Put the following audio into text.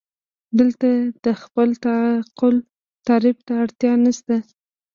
دلته د خپل تعقل تعریف ته اړتیا نشته.